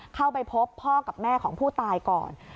เข้าไปพบพ่อกับแม่ของผู้ตายก่อน